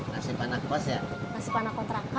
pasti aneh pas ya teman akun rafa